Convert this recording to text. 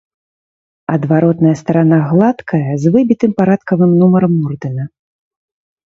Адваротная старана гладкая, з выбітым парадкавым нумарам ордэна.